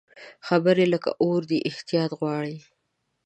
خبرې لکه اور دي، احتیاط غواړي